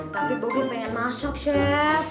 tapi bogi pengen masak seth